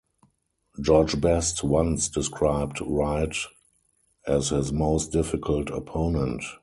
George Best once described Wright as his most difficult opponent.